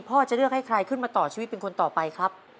จะเลือกให้ใครขึ้นมาต่อชีวิตเป็นคนต่อไปครับ